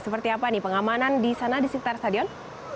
seperti apa nih pengamanan di sana di sekitar stadion